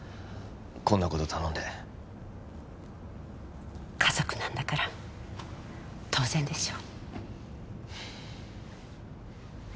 こんなこと頼んで家族なんだから当然でしょ